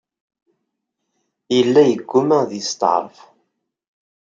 Yella yegguma ad yesteɛref.